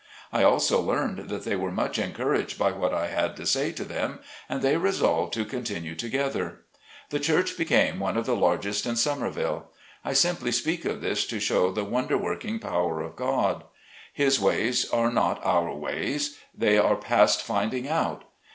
I also learned that they were much encouraged by what I had to say to them, and they resolved to continue together. CHURCH WORK. 47 The church became one of the largest in Somerville. I simply speak of this to show the wonder working power of God. His ways are not our ways. They are past finding out.